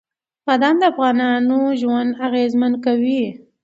بادام د افغانانو ژوند اغېزمن کوي.